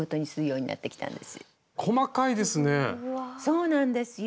そうなんですよ。